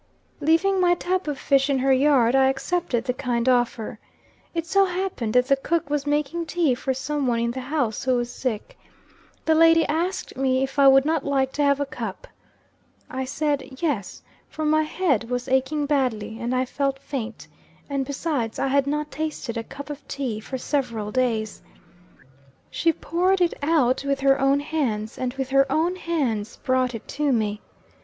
"Leaving my tub of fish in her yard, I accepted the kind offer. It so happened that the cook was making tea for some one in the house who was sick. The lady asked me if I would not like to have a cup. I said yes; for my head was aching badly, and I felt faint; and besides, I had not tasted a cup of tea for several days. She poured it out with her own hands, and with her own hands brought it to me.